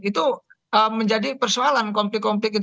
itu menjadi persoalan konflik konflik itu